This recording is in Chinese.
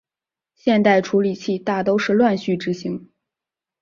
现代处理器大都是乱序执行。